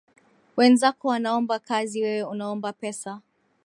Wenzako wanaomba kazi wewe unaomba pesa.